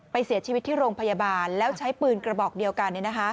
เสียชีวิตที่โรงพยาบาลแล้วใช้ปืนกระบอกเดียวกัน